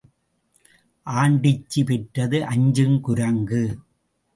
ஆண்டிச்சி பெற்றது அஞ்சும் குரங்கு